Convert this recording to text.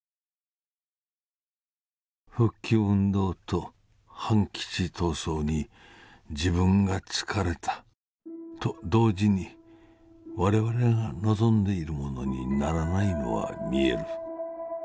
「復帰運動と反基地闘争に自分がつかれたと同時にわれわれが望んでいるものにならないのは見える。